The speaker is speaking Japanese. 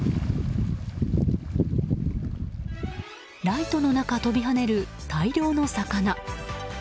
ライトの中、飛び跳ねる大量の魚。